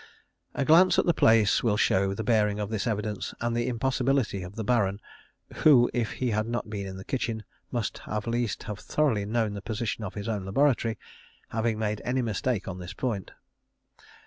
"_ A glance at the place will show the bearing of this evidence and the impossibility of the Baron (who, if he had not been in the kitchen, must at least have thoroughly known the position of his own laboratory) having made any mistake on this point.